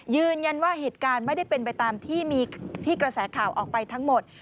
ยืนยันว่าเหตุการณ์ไม่ได้เป็นไปตามที่มีที่กระแสข่าวออกไปทั้งหมด